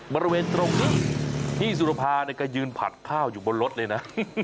บริเวณตรงนี้พี่สุรภาเนี่ยก็ยืนผัดข้าวอยู่บนรถเลยนะ